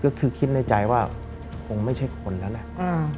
ก็คือคิดในใจว่าคงไม่ใช่คนแล้วแหละ